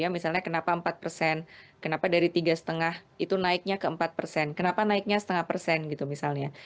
misalnya kenapa empat persen kenapa dari tiga lima itu naiknya ke empat persen kenapa naiknya setengah persen gitu misalnya